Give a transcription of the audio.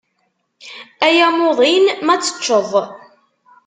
Ay amuḍin ma ad teččeḍ.